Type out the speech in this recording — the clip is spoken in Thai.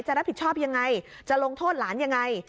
จะรับผิดชอบยังไงจะลงโทษหลานยังไง